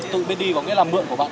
tự biết đi có nghĩa là